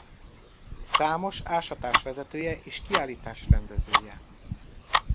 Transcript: Számos ásatás vezetője és kiállítás rendezője.